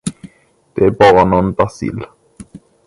Det är bara någon bacill.